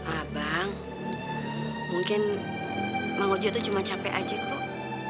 ah bang mungkin bang wajo tuh cuma capek aja kok